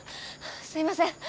すいません